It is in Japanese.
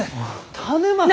田沼様も！